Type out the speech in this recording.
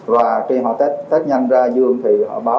và khi họ tết nhanh ra dương thì họ báo